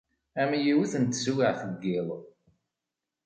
Am yiwet n teswiɛt n yiḍ.